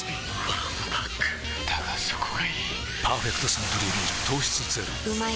わんぱくだがそこがいい「パーフェクトサントリービール糖質ゼロ」